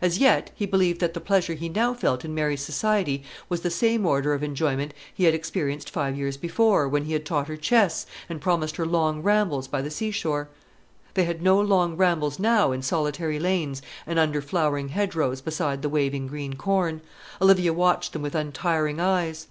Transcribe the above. As yet he believed that the pleasure he now felt in Mary's society was the same order of enjoyment he had experienced five years before, when he had taught her chess, and promised her long rambles by the seashore. They had no long rambles now in solitary lanes and under flowering hedgerows beside the waving green corn. Olivia watched them with untiring eyes.